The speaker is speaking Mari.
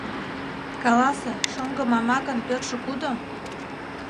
— Каласе, шоҥго Мамакын пӧртшӧ кудо?